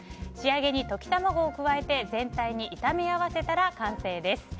仕上げに溶き卵を加えて全体に炒め合わせたら完成です。